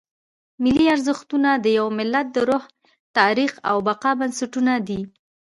ملي ارزښتونه د یو ملت د روح، تاریخ او بقا بنسټونه دي.